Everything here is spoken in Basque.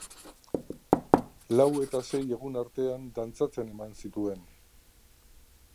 Lau eta sei egun artean dantzatzen eman zituen.